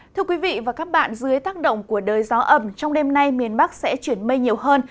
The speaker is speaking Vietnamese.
thưa quý vị và các bạn dưới tác động của đới gió ẩm trong đêm nay miền bắc sẽ chuyển mây nhiều hơn